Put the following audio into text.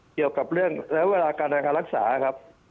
เกี่ยวกับเรื่องในเวลาการทางคารรักษาครับ